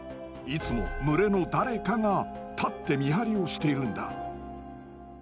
いつも群れの誰かが立って見張りをしているんだ。